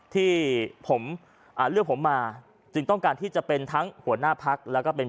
ที่ผมเลือกผมมาจึงต้องการที่จะเป็นทั้งหัวหน้าพักแล้วก็เป็น